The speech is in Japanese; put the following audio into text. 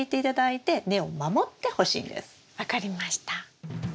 分かりました。